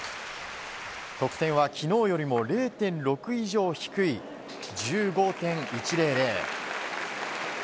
得点は昨日よりも０．６以上低い１５．１００。